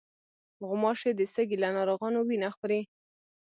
غوماشې د سږي له ناروغانو وینه خوري.